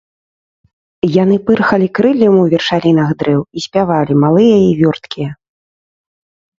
Яны пырхалі крыллем у вяршалінах дрэў і спявалі, малыя і вёрткія.